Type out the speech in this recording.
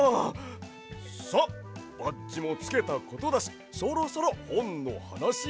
さあバッジもつけたことだしそろそろほんのはなしを。